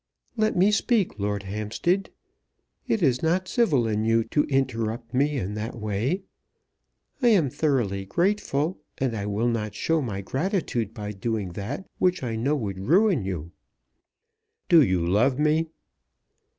"Let me speak, Lord Hampstead. It is not civil in you to interrupt me in that way. I am thoroughly grateful, and I will not show my gratitude by doing that which I know would ruin you." "Do you love me?"